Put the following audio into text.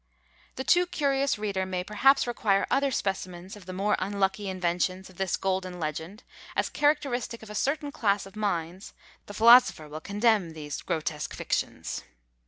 The too curious reader may perhaps require other specimens of the more unlucky inventions of this "Golden Legend;" as characteristic of a certain class of minds, the philosopher will contemn these grotesque fictions.